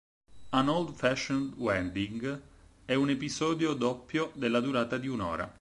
An Old-Fashioned Wedding è un episodio doppio della durata di un'ora.